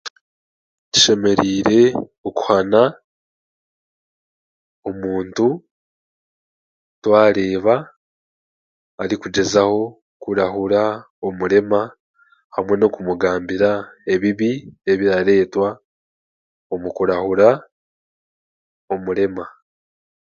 Tushemereire okuhana omuntu twareeba arikugyezaho kurahura omurema hamwe n'okumugambira ebibi ebiraretwa omu kurahura omurema.